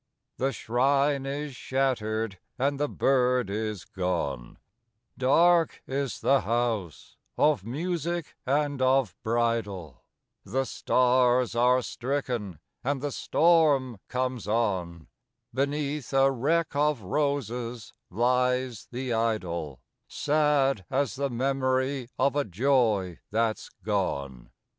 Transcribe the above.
IV The shrine is shattered and the bird is gone; Dark is the house of music and of bridal: The stars are stricken and the storm comes on; Beneath a wreck of roses lies the idol, Sad as the memory of a joy that's gone.